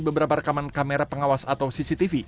beberapa rekaman kamera pengawas atau cctv